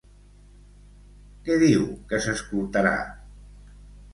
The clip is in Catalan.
Què diu que s'escoltarà?